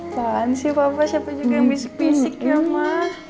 apaan sih papa siapa juga yang bisik bisik ya ma